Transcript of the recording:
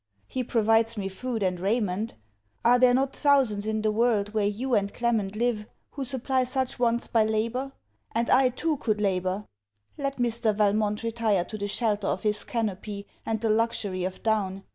He provides me food and raiment. Are there not thousands in the world, where you and Clement live, who supply such wants by labour? And I too could labour. Let Mr. Valmont retire to the shelter of his canopy, and the luxury of down!